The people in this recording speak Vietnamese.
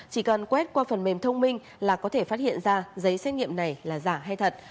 chỉ cần quét qua phần mềm thông minh là có thể phát hiện ra giấy xét nghiệm này là giả hay thật